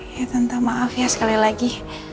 ya tanpa maaf ya sekali lagi